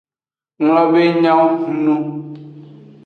Nglobe enyo hunu.